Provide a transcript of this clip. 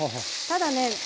ただね